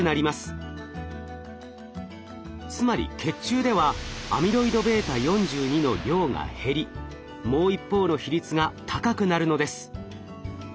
つまり血中ではアミロイドβ４２の量が減りもう一方の比率が高くなるのです。